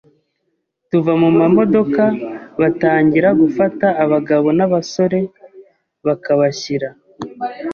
tuva mu mamodoka batangira gufata abagabo n’abasore bakabashyira